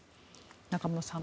中室さん。